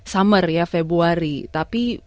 summer ya februari tapi